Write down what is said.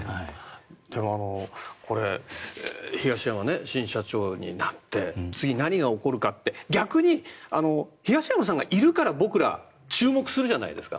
でも、東山新社長になって次、何が起こるかって逆に東山さんがいるから僕ら注目するじゃないですか。